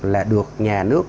là được nhà nước